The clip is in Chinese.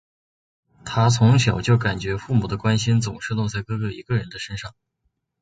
她从小就感觉父母的关心总是落在哥哥一个人的身上。